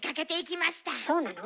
そうなの？